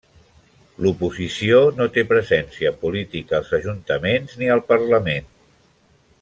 L'oposició no té presència política als ajuntaments ni al Parlament.